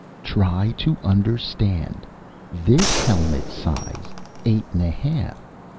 "Try to understand. This helmet's size eight and a half.